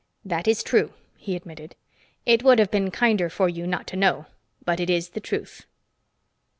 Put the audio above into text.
"That is true," he admitted. "It would have been kinder for you not to know, but it is the truth."